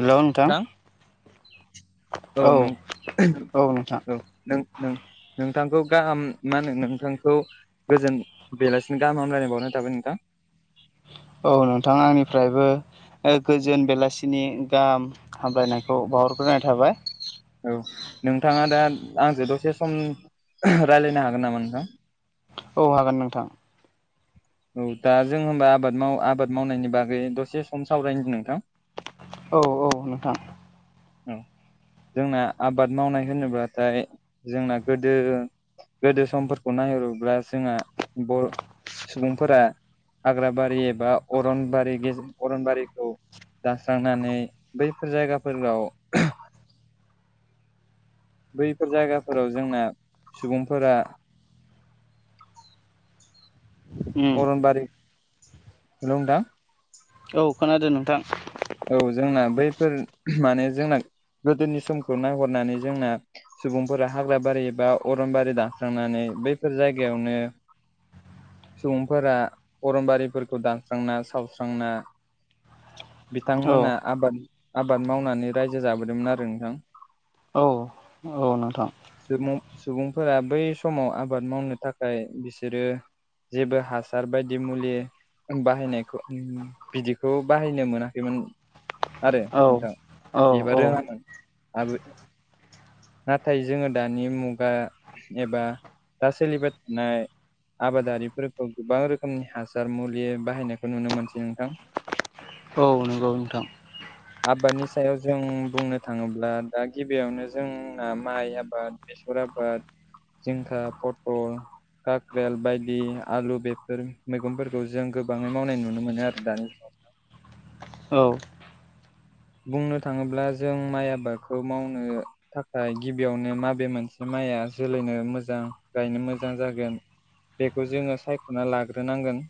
Hello नोंथां औ नों औ नों नों नों नोंथांखौ गाहाम मा होनो नोंथांखौ गोजोन बेलासिनो गाहाम हामलायनाय बावनाय थाबाय नोंथां [inaudible] औ नोंथां आंनिफ्रायबो ओ गोजोन बेलासिनि गाहाम हामलायनायखौ बाहरग्रोनाय थाबाय औ नोंथाङा दा आंजों दसे सम राय्लायनो हागोन नामा नोंथां? औ हागोन नोंथां औ दा जों होनबा आबाद माव आबाद मावनायनि बागै दसे सम सावरायनो नोंथां औ औ नोंथां औ जोंना आबाद मावनाय होनोब्लाथाय जोंना गोदो गोदो समफोरखौ नाय नायहरोब्ला जोंहा बर' सुबुंफोरा हाग्राबारि एबा अरनबारि गेज अरनबारिखौ दास्रांनानै बैफोर जायगाफोराव बैफोर जायगाफोराव जोंना सुबुंफोरा उम अरनबारि लंदां औ खोनादों नोंथां। औ जोंना बैफोर माने जोंना गोदोनि समखौ नायहरनानै जोंना सुबुंफोरा हाग्रा बारि एबा अरन बारि दानस्रांनानै बैफोर जायगायावनो सुबुंफोरा अरमबारिफोरखौ दानस्रांना सावस्रांना औ बिथांमोना आबाद आबाद मावनानै रायजो जाबोदोंमोन आरो नोंथां औ औ नोंथां। सुबुं सुबुंफोरा बै समाव आबाद मावनो थाखाय बिसोरो जेबो हासार बायदि मुलि बाहायनायखौ बिदिखौ बाहायनो मोना बेमोन आरो औ नोंथां औ औ एबार रोङामोन आब नाथाय जोङो दानि मुगा एबा दा सोलिबाय थानाय आबादारिफोरखौ गोबां रोखोमनि हासार मुलि बाहायनायखौ नुनो मोनसै नोंथां औ नंगौ नोंथां। आबादनि सायाव जों बुंनो थाङोब्ला दा गिबियावनो जोंना माइ आबाद बे सर आबाद सरफाद जिंखा पटल कक्रेल बायदि आलु बेफोर मैगंफोरखौ जों गोबाङै मावनाय नुनो मोनो आरो दानि जगाव [inaudible] औ बुंनो थाङोब्ला जों माइ आबादखौ मावनो थाखाय गिबियावनो माबे मोनसे माइया जोलैनो मोजां गायनो मोजां जागोन बेखौ जोङो सायख'ना लाग्रोनांगोन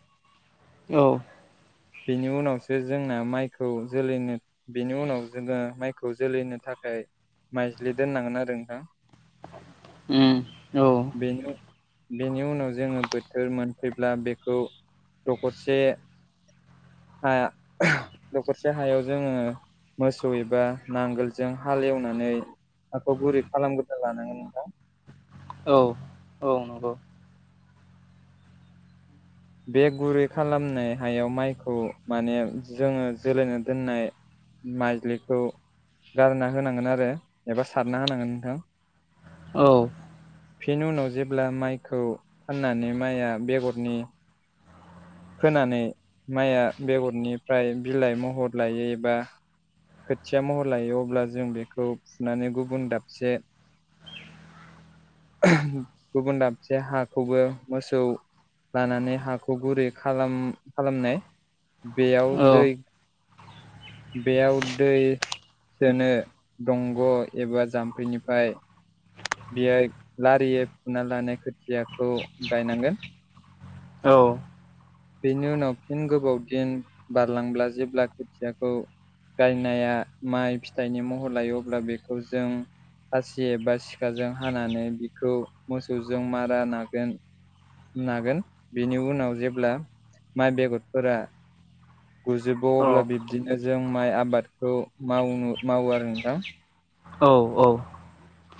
औ बेनि उनावसो जोंना माइखौ जोलैनो बिनि उनाव जोङो माइखौ जोलैनो थाखाय माइज्लि दोननांगोन आरो नोंथां [inaudible] उम औ बेनो बेनि उनाव जोङो बोथोर मोनफैब्ला बेखौ दखरसे हाया दखरसे हायाव जोङो मोसौ एबा नांगोलजों हालेवनानै नाखौ गुरै खालामग्रा लानांगोन नोंथां। औ औ नंगौ बे गुरै खालामनाय हायाव माइखौ माने जोङो जोलायनो दोननाय माइजलिखौ गारना होनांगोन आरो एबा सारना होनांगोन नोंथां। औ [inaudible] बेनि उनाव जेब्ला माइखौ फाननानै माइआ बेगरनि फोनानै माइया बेगरनिफ्राय बिलाइ महर लायोबा खोथिया महर लायो अब्ला जों बेखौ फुनानै गुबुन दाबसे गुबुन दाबसे हाखौबो मोसौ लानानै हाखौ गुरै खालाम खालामनाय बेयाव औ दै बेयाव दै सोनो दंग' एबा जाम्फैनिफ्राय बियो लारियै फुना लानाय खोथियाखौ गायनांगोन औ बेनि उनाव फिन गोबाव दिन बारलांब्ला जेब्ला खोथियाखौ गायनाया माइ फिथाइनि महर लायो अब्ला बेखौ जों खासि एबा सि फिखाजों हानानै बिखौ मोसौजों मारा नागोन नागोन बेनि उनाव जेब्ला माइ बेगरफोरा गुजोबो अब्ला बिब्दिनो जों माइ आबादखौ माव मावो आरो नोंथां औ औ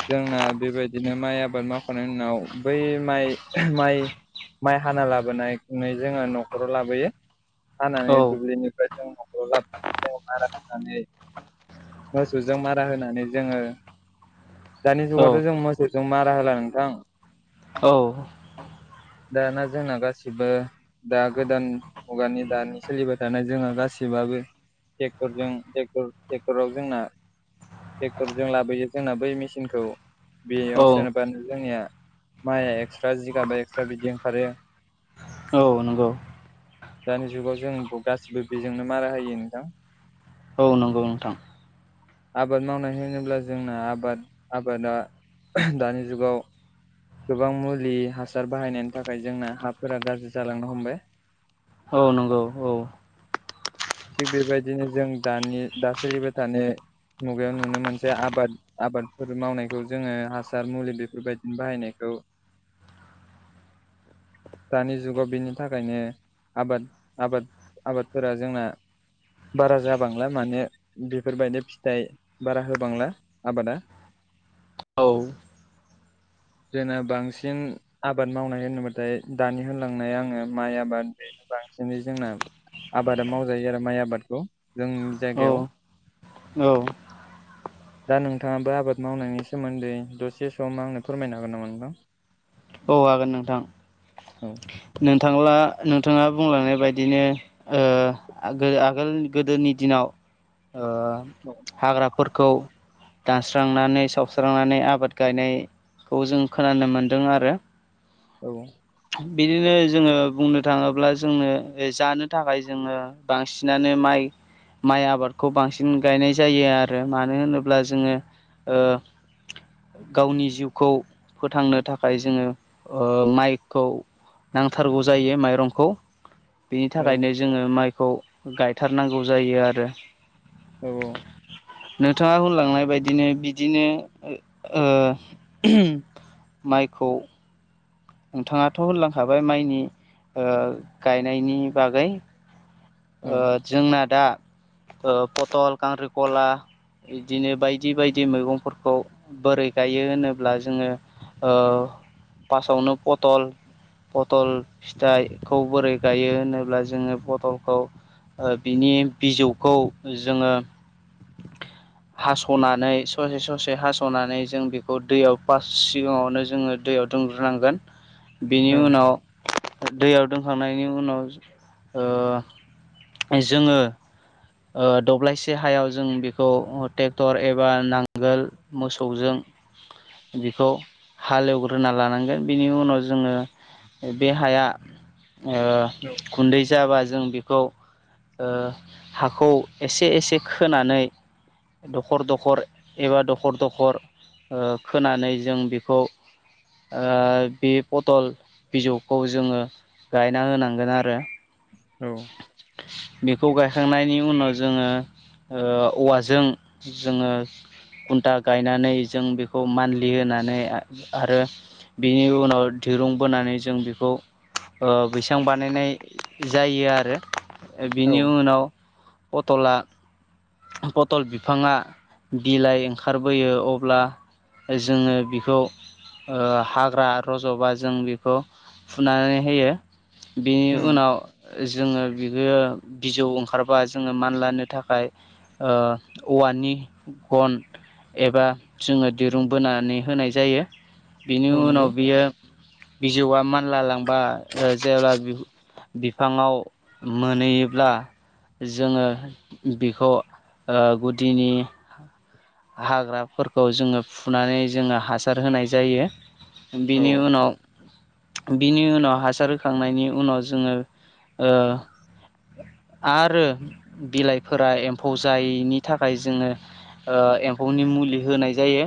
जोंना बेबायदिनो माइ आबाद मावखांनायनि उनाव बै माइ माइ माइ हाना लाबोनायै जोङो न'खराव लाबोयो हानानै दुब्लिनिफ्राय जों नखराव लाबनानै जों मारा होनानै मोसौजों मारा होनानै जोङो दानि औ जुगावथ' जों मोसौजों मारा होला नोंथां दाना जोंना गासिबो दा गोदान मुगानि दानि सोलिबाय थानाय जोंहा गासिबो एसेबाबो टेकटरजों टेक टेकराव जोंना ट्रेक्टरजों लाबोयो जोंना बै मेचिनखौ बेयाव सोरनोबानो जोंनिया माइया एक्सट्रा जिगाबा एक्सट्रा बिदि ओंखारो औ नंगौ दानि जुगाव जों गासिबो बेजोंनो मारा होयो नोंथां औ नंगौ नोंथां आबाद मावनाय होनोब्ला जोंना आबाद आबादा दानि जुगाव गोबां मुलि हासार बाहायनायनि थाखाय जोंना हाफोरा गाज्रि जालांनो हमबाय औ नंगौ औ थिग बेबायदिनो जों दानि दा सोलिबाय थानाय मुगायाव नुनो मोनसे आबाद आबादफोर मावनायखौ जोङो हासार मुलि बेफोरबायदिनो बाहायनायखौ औ दानि जुगाव बेनि थाखायनो आबाद आबाद आबादफोरा जोंना बारा जाबांलाय माने बेफोरबायदि फिथाय बारा होबांला आबादा औ जोंना बांसिन आबाद मावनाय होनोबाथाय दानि होनलांनाय आङो माइ आबाद बे आबाद बांसिनै जोंना आबादा मावजायो आरो माइ आबादखौ जोंनि जायगायाव औ [inaudible] दा नोंथाङाबो आबाद मावनायनि सोमोन्दै दसे सम आंनो फोरमायनो हागोन नामा‌ नोंथां औ हागोन नोंथां औ नोंथांब्ला नोंथाङा बुंलांनाय बायदिनो ओ आगोल गोदोनि दिनाव ओ औ हाग्राफोरखौ दानस्रांनानै सावस्रांनानै आबाद गायनाय खौ जों खोनानो मोनदों आरो औ बिदिनो जोङो बुंनो थाङोब्ला जोंनो जानो थाखाय जोङो बांसिनानो म माइ माइ आबादखौ बांसिन गायनाय जायो आरो मानो होनोब्ला जोङो ओ गावनि जिउखौ फोथांनो थाखाय जोङो ओ माइकखौ नांथारगौ जायो माइरंखौ बेनि औ थाखायनो जोङो माइ खौ गायथारनांगौ जायो आरो औ औ नोंथाङा होनलांनाय बायदिनो बिदिनो ओ माइखौ नोंथाङाथ' होनलांखाबाय माइनि ओ गायनायनि बागै ओ औ जोंना दा ओ पथल खांख्रिखला बिदिनो बायदि बायदि मैगंफोरखौ बोरै गायो होनोब्ला जोङो ओ पासावनो पथल पथल फिथाइखौ बोरै गायो होनोब्ला जोङो फथल खौ बिनि बिजौखौ जोङो [inaudible] हास'नानै ससे ससे हास'नानै जों बेखौ दैयाव फ सिगाङावनो जोङो दैयाव सुदुंग्रोनांगोन बेनि उनाव दैयाव दोनखांनायनि उनाव जोङो दब्लायसे हायाव जों बेखौ ट्रेक्टर एबा नांगोल मोसौजों बेखौ हालेवग्रोना लानांगोन बिनि उनाव जोङो बे हाया गुन्दै जाबा जों बेखौ हाखौ एसे एसे खोनानै दखर दखर एबा दखर दखर ओ खोना बे पथल बिजौखौ जोङो गायना होनांगोन आरो औ। बेखौ गायखांनायनि उनाव जोङो औवाजों जोङो खघुन्टा गायनानै जों बेखौ मान्थलि होनानै आरो बेनि उनाव दिरुं बोनानै जों बेखौ बैसां बानायनाय जायो आरो बिनि उनाव पटला पटल बिफाङा बिलाइ ओंखारबोयो अब्ला जोङो बिखौ हाग्रा रज'बा जों बेखौ फुनानै होयो बेनि औ उनाव जोङो बिखौ बिजौ ओंखार बा जोङो मानलानो थाखाय औवानि गन एबा जोंङो दिरुं बोनानै होनाय जायो बिनि औ नंगौ उनाव बियो बिजौआ मानला लांबा जेब्ला बि बिफाङाव मोनहैयोब्ला जोंङो बेखौ गुदिनि हाग्राफोरखौ जोङो फुनानै जोङो हासार होनाय जायो औ बेनि उनाव बिनि उनाव हासार होखांनायनि उनाव जोंङो [inaudible] एम्फौनि मुलि होनाय जायो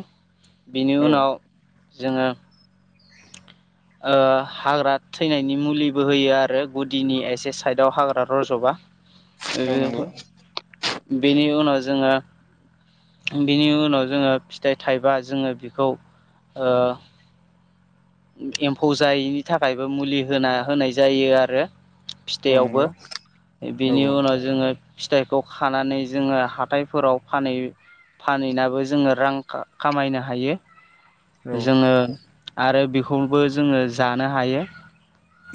बेनि औ उनाव जोंङो हाग्रा थैनायनि मुलिबो होयो आरो गुदिनि एसे साइदआव हाग्रा रज'बा [inaudible] नंगौ बेनि उनाव जोङो बिनि उनाव जोङो फिथाइ थाइबा जोङो बेखौ [inaudible] औ फिथाइयावबो नंगौ औ बेनि औ उनाव जोङो फिथाइखौ खानानै जोङो हाथायफोराव फानैहैयो फानहैनाबो जोङो रां खामायनो हायो जोंङो आरो बेखौबो जोंङो जानो हायो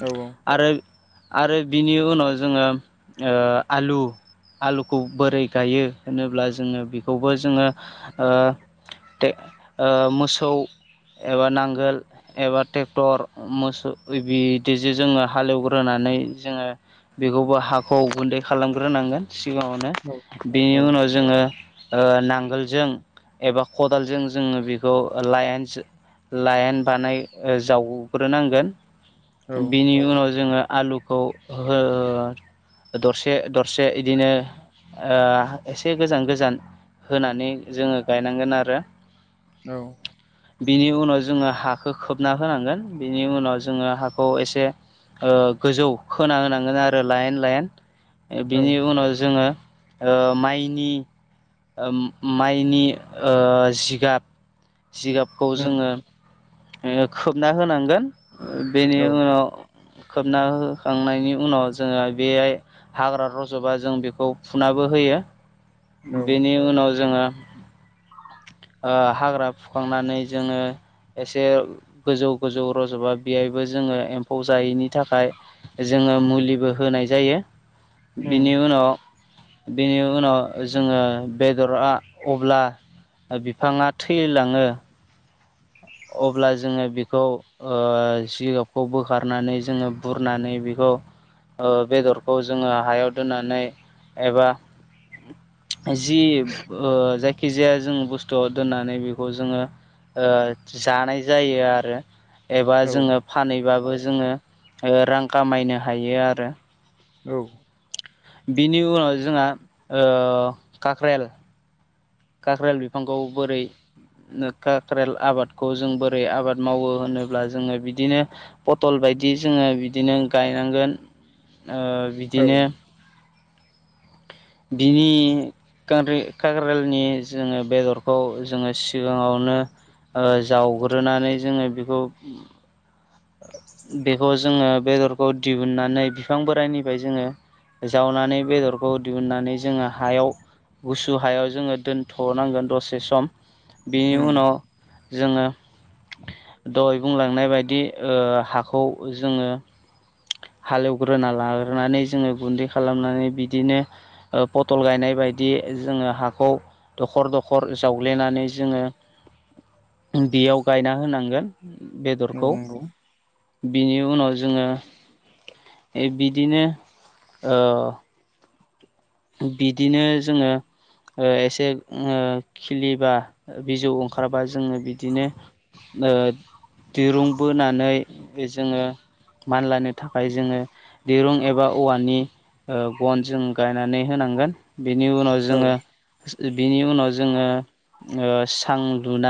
औ औ आरो आरो बिनि उनाव जोंङो आलु आलुखौ बोरै गायो होनोब्ला जोंङो बेखौबो जोंङो मोसौ एबा नांगोल एबा ट्रेक्टर मोसौ बिदिजों जोंङो हालेवग्रोनानै जोंङो बेखौबो हाखौ गुन्दै खालामग्रोनांगोन सिगाङावनो बेनि औ उनाव जोंङो नांगोलजों एबा खदालजों जोंङो बेखौ लाइन लाइन बानाय जावग्रोनांगोन बिनि उनाव जोंङो आलुखौ दरसे दरसे इदिनो एसे गोजान गोजान होनानै जोंङो गायनांगोन आरो। औ। बिनि उनाव जोङो हाखौ खोबना होनांगोन बिनि उनाव जोंङो गोजौ खोना होनांगोन आरो लाइन लाइन औ बिनि उनाव जोंङो ओ माइनि ओ माइनि ओ जिगाब जिगाबखौ उम जोङो खोबना होनांगोन बेनि औ उनाव खोबना होखांनायनि उनाव जोङो बेहाय हाग्रा रजबा जों बेखौ फुना होयो बेनि उनाव जोंङो [inaudible] ओ हाग्रा फुखांनानै जोंङो एसे गोजौ गोजौ रजबा बेहायबो जोङो एम्फौ जायैनि थाखाय जोङो मुलिबो होनाय जायो उम बिनि उनाव बिनि उनाव ओ जोङो बेदरा अब्ला बिफाङा थैलाङो अब्ला जोङो बेखौ ओ जिगाबखौ बोखारनानै जोङो बुरनानै बेखौ खौ ओ बेदरखौ जोङो हायाव दोननानै एबा [inaudible] जि ओ जायखिजाया जों बुस्थुआव दोननानै बेखौ जोङो ओ जानाय जायो आरो एबा औ जोङो फानैबाबो जोङो ओ रां खामायनो हायो आरो औ बिनि उनाव जोंहा ओ काक्रेल काक्रेल बिफांखौ बोरै काक्रेल आबादखौ जों बोरै आबाद मावो होनोब्ला जोङो बिदिनो पथल ब बायदि जोङो बिदिनो गायनांगोन [inaudible] ओ औ बिदिनो बिनि [inaudible] ओ जावग्रोनानै जोङो बेखौ बेखौ जोङो बेदरखौ दिहुननानै बिफां बोराइनिफाय जोङो जावनानै बेदरखौ दिहुननानै जोङो हायाव गुसु हायाव जोङो दोनथनांगोन दसे सम बेनि उम उनाव जोङो दहय बुंलांनाय बायदि ओ हाखौ जोङो [inaudible] हालेवग्रोना लाग्रोनानै जोङो गुन्दै खालामनानै बिदिनो ओ पथल गायनाय बायदि जोङो हाखौ दखर दखर जावग्लेनानै जोङो [inaudible] बेयाव गायना होनांगोन औ बेदरखौ नंगौ बिनि उनाव जोङो बिदिनो ओ बिदिनो जोङो ओ एसे खिलिबा बिजौ ओंखारबा जोङो बिदिनो ओ दिरुं बोनानै जोङो मानलानो थाखाय जोङो दिरुं एबा औवानि ओ गन जों गायनानै होनांगोन बिनि उनाव औ जोङो बिनि उनाव जोङो ओ सां लुना